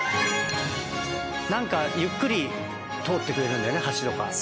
なんかゆっくり通ってくれるんだよね橋とか。